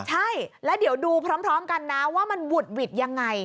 ใช่แล้วเดี๋ยวดูพร้อมกันนะว่ามันหุดหวิดยังไง